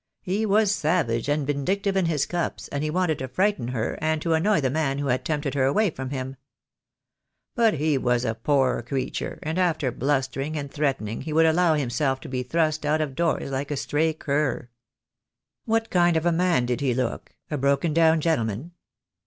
He was savage and vindictive in his cups, and he wanted to frighten her and to annoy the man who had tempted her away from him. But he was a poor THE DAY WILL COME. 87 creature, and after blustering and threatening he would allow himself to be thrust out of doors like a stray cur." "What kind of a man did he look? A broken down gentleman?"